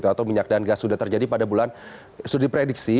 atau minyak dan gas sudah terjadi pada bulan sudah diprediksi